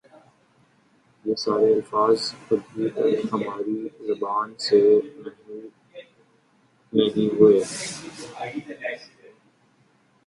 یہ سارے الفاظ ابھی تک ہماری زبان سے محو نہیں ہوئے